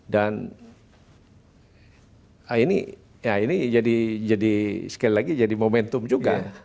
dan ini sekali lagi jadi momentum juga